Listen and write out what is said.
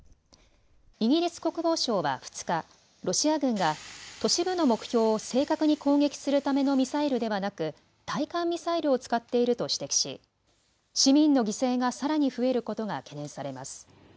イギリス国防省は２日、ロシア軍が都市部の目標を正確に攻撃するためのミサイルではなく対艦ミサイルを使っていると指摘し市民の犠牲がさらに増えることが懸念されます。